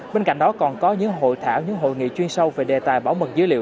bên cạnh đó còn có những hội thảo những hội nghị chuyên sâu về đề tài bảo mật dữ liệu